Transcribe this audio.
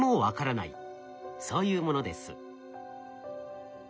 そういうものです。